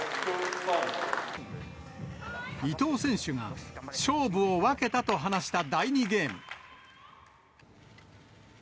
伊藤選手が勝負を分けたと話した第２ゲーム。